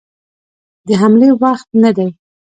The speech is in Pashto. د حملې وخت نه دی.